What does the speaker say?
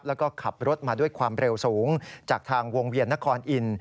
แล้วก็ขับรถมาด้วยความเร็วสูงจากทางวงเวียนนครอินทร์